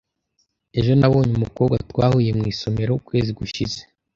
Ejo nabonye umukobwa twahuye mu isomero ukwezi gushize.